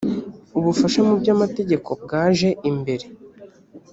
ubufasha mu by’ amategeko bwaje imbere